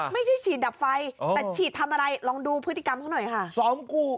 ไม่ใช่ฉีดดับไฟแต่ฉีดทำอะไรลองดูพฤติกรรมเขาหน่อยค่ะ